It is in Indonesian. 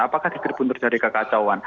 apakah di tribun terjadi kekacauan